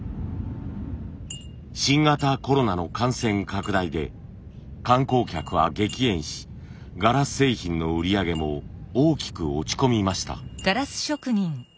新型コロナの感染拡大で観光客は激減しガラス製品の売り上げも大きく落ち込みました。